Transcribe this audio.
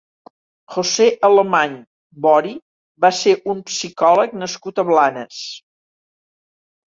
José Alemany Bori va ser un psicòleg nascut a Blanes.